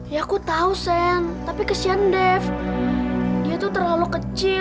ya aku tahu sen tapi kesian dev itu terlalu kecil